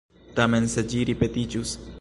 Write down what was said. Tamen se ĝi ripetiĝus.